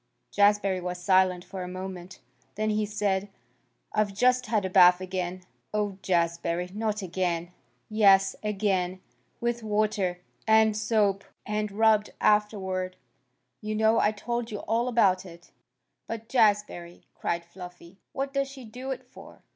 Jazbury was silent for a moment. Then he said, "I've just had a bath again." "Oh, Jazbury! Not again?" "Yes, again. With water. And soap. And rubbed afterward. You know. I told you all about it." "But, Jazbury!" cried Fluffy. "What does she do it for?